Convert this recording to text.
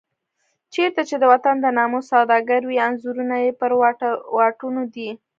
چېرته چې د وطن د ناموس سوداګر وي انځورونه یې پر واټونو دي.